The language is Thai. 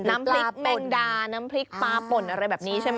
น้ำพริกแมงดาน้ำพริกปลาป่นอะไรแบบนี้ใช่ไหม